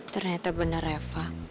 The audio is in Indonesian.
ternyata bener refah